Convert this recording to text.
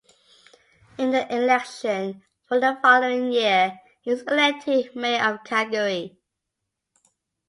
In the election for the following year, he was elected Mayor of Calgary.